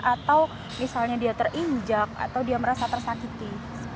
atau misalnya dia terinjak atau dia merasa tersakiti